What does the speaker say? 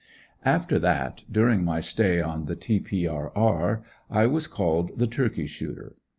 After that, during my stay on the T. P. R. R., I was called the "Turkey shooter."